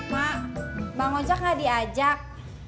mak bang ojak enggak diajak